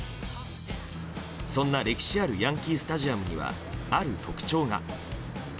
そんな歴史あるヤンキー・スタジアムにはある特徴が。